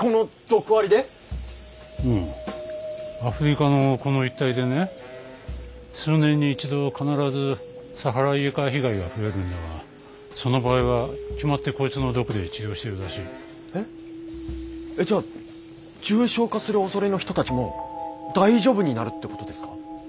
アフリカのこの一帯でね数年に一度必ずサハライエカ被害が増えるんだがその場合は決まってこいつの毒で治療しているらしい。え？えじゃあ重症化するおそれの人たちも大丈夫になるってことですか！？